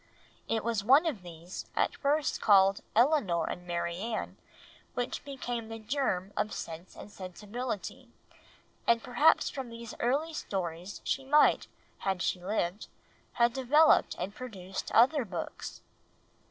It was one of these, at first called Elinor and Marianne, which became the germ of Sense and Sensibility, and perhaps from these early stories she might, had she lived, have developed and produced other books.